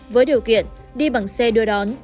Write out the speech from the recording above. với điều kiện đi bằng xe đưa đón